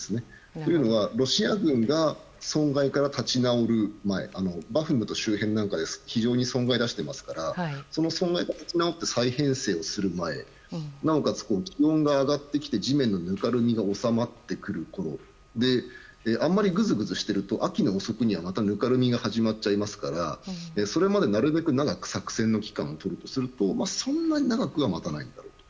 というのは、ロシア軍が損害から立ち直る前バフムト周辺で損害を出していますから再編成をする前なおかつ気温が上がってきて地面のぬかるみが収まってくるとあまりぐずぐずしていると秋にはまたぬかるみが始まるのでそれまでなるべく長く作戦の期間をとるとするとそんなに長くは待たないだろうと。